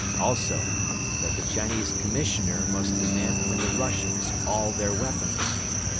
Also that the Chinese Commissioner must demand from the Russians all their weapons.